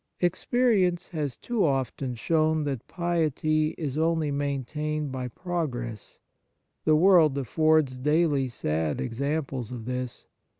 Experience has too often shown that piety is only maintained by pro gress. The world affords daily sad examples of this.